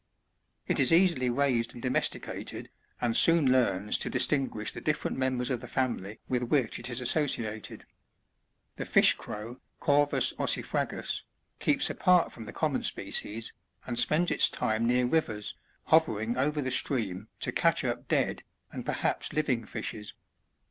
It is easily raised and domesticated, and soon learns to distinguish the different members of the family with which it is associated. 74. [ The FUh Crow, — Corvus osstfragvsj—keepa apart from the common species, and spends its time near rivers, hovering over the stream to catch up dead, and perhaps living fishes.